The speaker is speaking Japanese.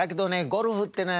ゴルフってね